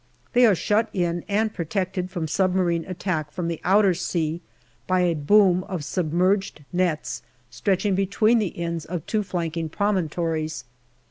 They are shut in and protected from submarine attack from the outer sea by a boom of submerged nets stretching between the ends of two flanking promontories.